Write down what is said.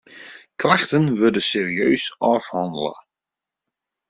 Klachten wurde serieus ôfhannele.